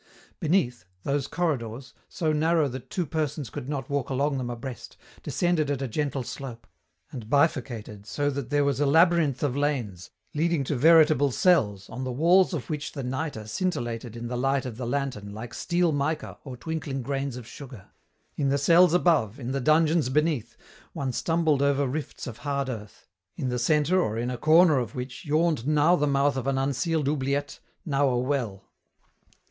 Beneath, those corridors, so narrow that two persons could not walk along them abreast, descended at a gentle slope, and bifurcated so that there was a labyrinth of lanes, leading to veritable cells, on the walls of which the nitre scintillated in the light of the lantern like steel mica or twinkling grains of sugar. In the cells above, in the dungeons beneath, one stumbled over rifts of hard earth, in the centre or in a corner of which yawned now the mouth of an unsealed oubliette, now a well.